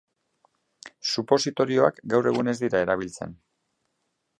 Supositorioak gaur egun ez dira erabiltzen.